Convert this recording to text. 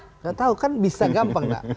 tidak tahu kan bisa gampang nggak